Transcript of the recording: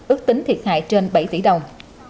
ước tính thiệt hại trên bảy tỷ đồng